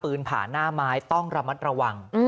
ผ่านหน้าไม้ต้องระมัดระวัง